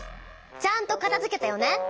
ちゃんとかたづけてよね。